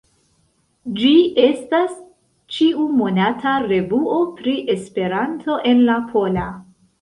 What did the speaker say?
Ĝi estas ĉiu-monata revuo pri Esperanto en la pola.